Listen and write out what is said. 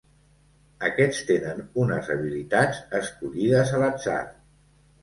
Aquests tenen unes habilitats escollides a l'atzar.